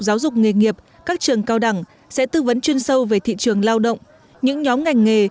giáo dục nghề nghiệp các trường cao đẳng sẽ tư vấn chuyên sâu về thị trường lao động những nhóm ngành nghề